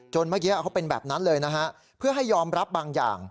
เมื่อกี้เขาเป็นแบบนั้นเลยนะฮะเพื่อให้ยอมรับบางอย่าง